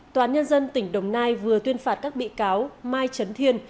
tòa án nhân dân tỉnh đồng nai vừa tuyên phạt các bị cáo mai trấn thiên